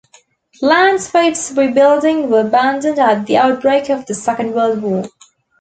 Plans for its rebuilding were abandoned at the outbreak of the Second World War.